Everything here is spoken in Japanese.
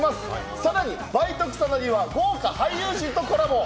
さらに、バイト草薙は豪華俳優陣とコラボ。